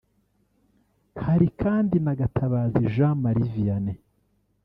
Hari kandi na Gatabazi Jean Marie Vianney